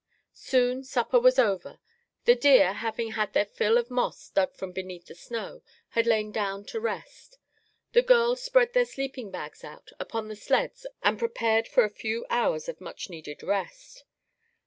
Soon supper was over. The deer, having had their fill of moss dug from beneath the snow, had lain down to rest. The girls spread their sleeping bags out upon the sleds and prepared for a few hours of much needed rest.